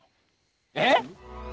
えっ！？